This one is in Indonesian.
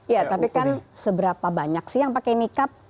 ya tapi kan seberapa banyak sih yang pakai nikab